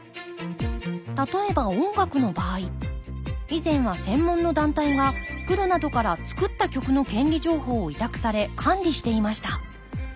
例えば音楽の場合以前は専門の団体がプロなどから作った曲の権利情報を委託され管理していました。